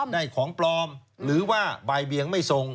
ได้ของปลอมหรือว่าบ่ายเบียงไม่ส่ง